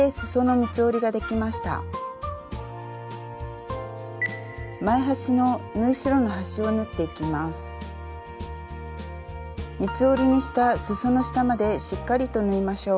三つ折りにしたすその下までしっかりと縫いましょう。